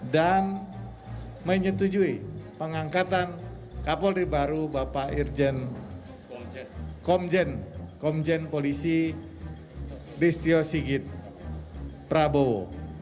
dan menyetujui pengangkatan kapolri baru bapak komjen polisi listio sigit prabowo